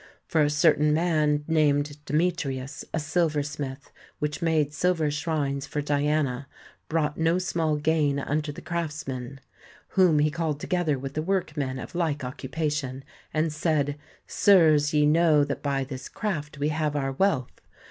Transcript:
For a certain man named Demetrius, a silversmith, which made silver shrines for Diana, brought no small gain unto the craftsmen; whom he called together with the workmen of like occupation, and said, Sirs, ye know that by this craft we have our wealth.